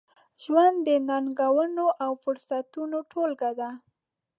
ژوند د ننګونو، او فرصتونو ټولګه ده.